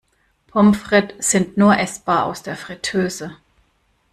Pommes frites sind nur essbar aus der Friteuse.